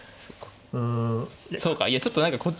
そうかいやちょっと何かこっちは。